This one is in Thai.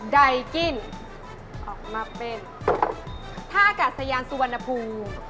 ไดกิ้นออกมาเป็นท่าอากาศยานสุวรรณภูมิ